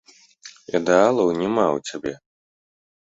Ідэалаў няма ў цябе.